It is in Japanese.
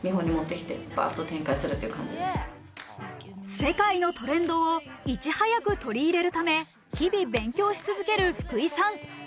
世界のトレンドをいち早く取り入れるため、日々勉強し続ける福井さん。